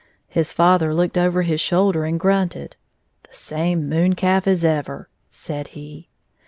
His father looked over his shoulder and grunted. " The same moon calf as ever," said he.